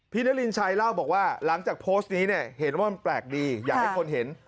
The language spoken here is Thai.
นารินชัยเล่าบอกว่าหลังจากโพสต์นี้เนี่ยเห็นว่ามันแปลกดีอยากให้คนเห็น